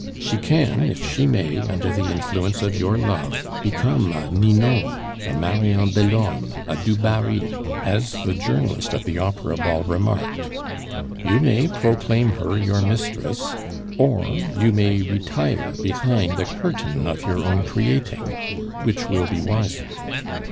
She can, if she may, under the influence of your love, become a Ninon, a Marion Delorme, a du Barry, as the journalist at the opera ball remarked. You may proclaim her your mistress, or you may retire behind a curtain of your own creating, which will be wiser.